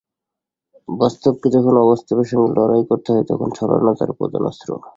বাস্তবকে যখন অবাস্তবের সঙ্গে লড়াই করতে হয় তখন ছলনা তার প্রধান অস্ত্র।